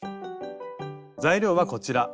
材料はこちら。